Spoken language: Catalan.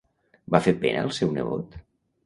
Va fer pena al seu nebot?